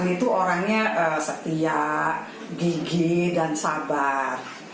itu orangnya setia gigi dan sabar